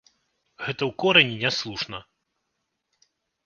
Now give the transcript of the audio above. Гэта ў корані няслушна.